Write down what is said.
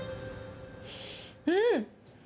うん。